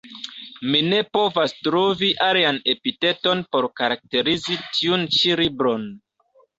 Mi ne povas trovi alian epiteton por karakterizi tiun ĉi libron.